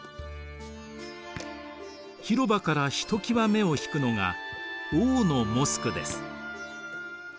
広場からひときわ目を引くのが王のモスクです。